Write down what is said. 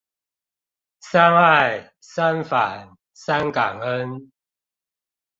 三愛、三反、三感恩